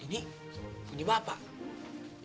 ini punya bapak